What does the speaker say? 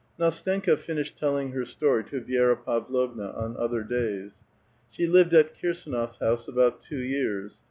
XV. Nastenka finished telling her story to Vi^ra Pavlovna on other days. She lived at Kirs^nof s house about two years.